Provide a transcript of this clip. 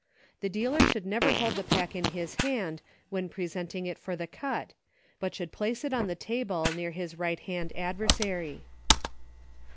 The dealer should never hold the pack in his hand, LAWS, 91 when presenting it for the cut, but should place it on the table near his right hand ad versary.